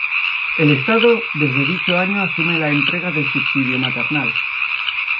El Estado desde dicho año asume la entrega del subsidio maternal.